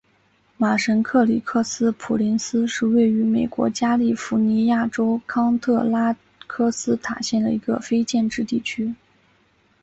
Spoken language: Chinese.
马什克里克斯普林斯是位于美国加利福尼亚州康特拉科斯塔县的一个非建制地区。